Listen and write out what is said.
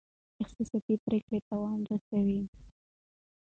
احساساتي پریکړې تاوان رسوي.